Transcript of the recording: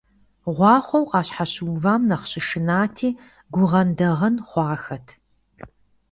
Гъуахъуэу къащхьэщыувам нэхъ щышынати, гугъэндэгъэн хъуахэт.